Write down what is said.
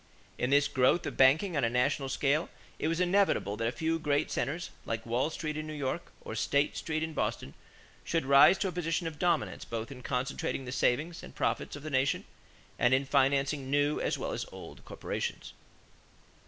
In this growth of banking on a national scale, it was inevitable that a few great centers, like Wall Street in New York or State Street in Boston, should rise to a position of dominance both in concentrating the savings and profits of the nation and in financing new as well as old corporations.